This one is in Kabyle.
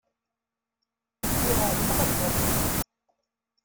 Lliɣ εelmeɣ ad d-taseḍ.